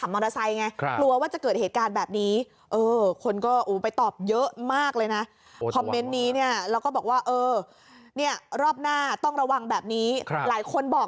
มรอไซ์เข้าไปถามนี่ลบน่าต้องระวังแบบนี้หลายคนบอก